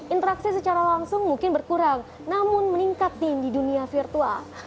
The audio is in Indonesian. interaksi secara langsung mungkin berkurang namun meningkat di dunia virtual